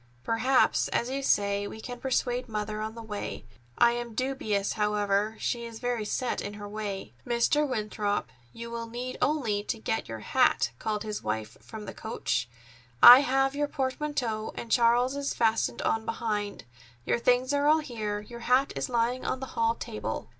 Perhaps, as you say, we can persuade Mother on the way. I am dubious, however. She is very set in her way." "Mr. Winthrop, you will need only to get your hat," called his wife from the coach. "I have had your portmanteau and Charles's fastened on behind. Your things are all here. Your hat is lying on the hall table."